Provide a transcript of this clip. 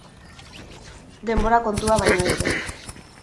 Denbora kontua baino ez zen.